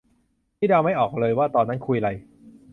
นี่เดาไม่ออกเลยว่าตอนนั้นคุยไร